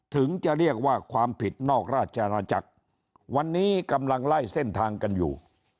ถึงจะเรียกว่าความผิดนอกราชอาณาจักรวันนี้กำลังไล่เส้นทางกันอยู่